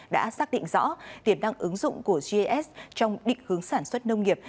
đã xác định rõ tiềm năng ứng dụng của gis trong định hướng sản xuất nông nghiệp